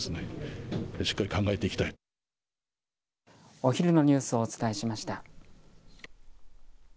お昼のニュースをお伝えしました。